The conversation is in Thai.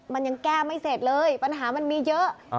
มันยังแก้ไม่เสร็จเลยปัญหามันมีเยอะ